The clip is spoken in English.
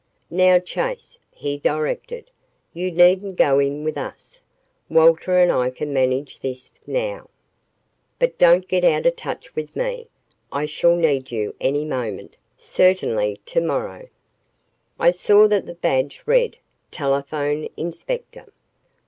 "Now, Chase," he directed, "you needn't go in with us. Walter and I can manage this, now. But don't get out of touch with me. I shall need you any moment certainly tomorrow." I saw that the badge read, Telephone Inspector.